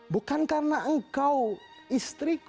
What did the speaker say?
bukan karena engkau istriku